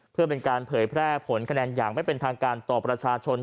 เพื่อเป็นการเผยแพร่ผลคะแนนอย่างไม่เป็นทางการต่อประชาชน